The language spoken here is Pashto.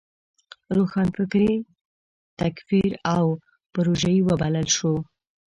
روښانفکري تکفیر او پروژيي وبلل شوه.